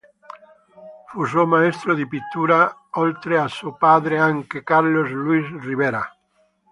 Fu suo maestro di pittura oltre a suo padre anche Carlos Luis Ribera.